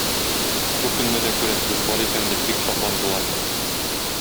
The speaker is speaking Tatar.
Бу көнне дә күрәсебез бар икән, - дип бик шатландылар.